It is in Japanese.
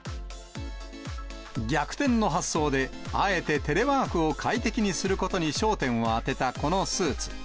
逆転の発想で、あえてテレワークを快適にすることに焦点を当てた、このスーツ。